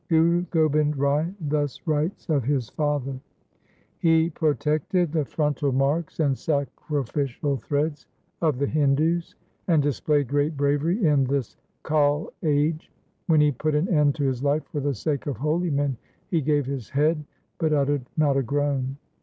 1 Guru Gobind Rai thus writes of his father :— He protected the frontal marks and sacrificial threads of the Hindus And displayed great bravery in this Kal age. When he put an end to his life for the sake of holy men, He gave his head, but uttered not a groan.